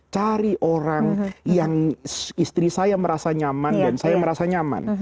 cari orang yang istri saya merasa nyaman dan saya merasa nyaman